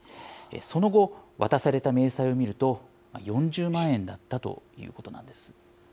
その後、渡された明細を見ると、４０万円だったということなんです。